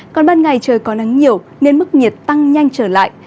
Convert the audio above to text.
còn ban ngày trời có nắng nhiều nên mức nhiệt tăng nhanh trở lại